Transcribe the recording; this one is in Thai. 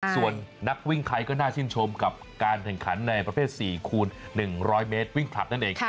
ส่วนนักวิ่งไทยก็น่าชื่นชมกับการแข่งขันในประเภท๔คูณ๑๐๐เมตรวิ่งผลัดนั่นเอง